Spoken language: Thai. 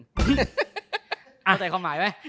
เอาใจความหมายไหม